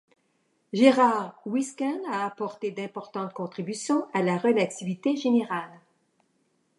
Gerhard Huisken a apporté d'importantes contributions à la relativité générale.